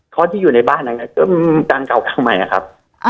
คอร์สที่อยู่ในบ้านก็เกือบเก่าข้างใหม่นะครับ